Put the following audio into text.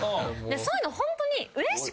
そういうのホントに。